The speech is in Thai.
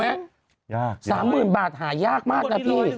ยาก๓๐๐๐บาทหายากมากนะพี่